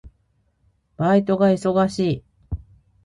バイトが忙しい。